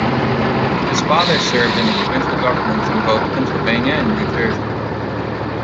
His father served in the provincial governments in both Pennsylvania and New Jersey.